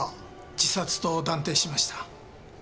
自殺と断定しました。